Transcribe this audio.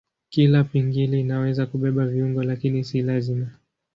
Kila pingili inaweza kubeba viungo lakini si lazima.